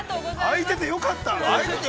◆あいててよかった。